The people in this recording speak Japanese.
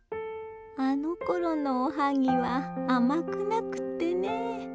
あのころのおはぎは甘くなくってねぇ。